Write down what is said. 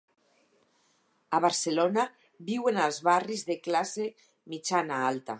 A Barcelona, viuen als barris de classe mitjana-alta.